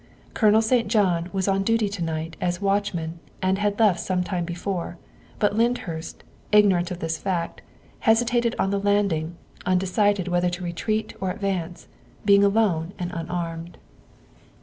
Colonel St. John was on duty to night as watchman and had left some time before, but Lyndhurst, ignorant of this fact, hesitated on the landing, unde cided whether to retreat or advance, being alone and unarmed.